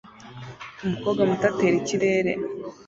umukobwa muto atera ikirere